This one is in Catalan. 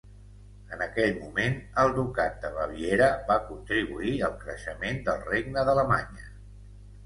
En aquell moment el ducat de Baviera va contribuir al creixement del Regne d'Alemanya.